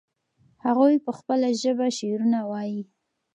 هغوی په خپله ژبه شعرونه وایي.